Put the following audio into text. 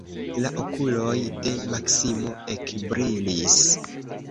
La okuloj de Maksimo ekbrilis.